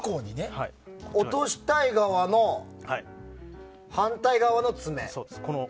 落としたい側の反対側の爪。